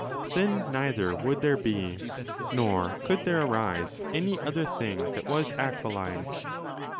Then neither would there be, nor could there arise, any other thing that was aquiline.